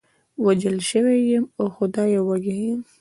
وژل شوی یم، اوه خدایه، وږی یم.